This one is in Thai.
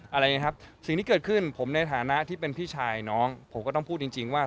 อะไรอย่างนี้ครับสิ่งที่เกิดขึ้นผมในฐานะที่เป็นพี่ชายน้องผมก็ต้องพูดจริงจริงว่า